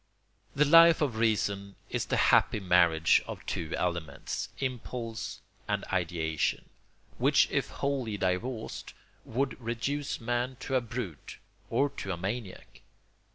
The Life of Reason is the happy marriage of two elements—impulse and ideation—which if wholly divorced would reduce man to a brute or to a maniac.